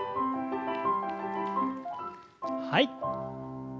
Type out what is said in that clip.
はい。